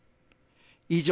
以上、